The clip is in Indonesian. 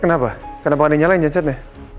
kenapa kenapa gak dinyalain jensetnya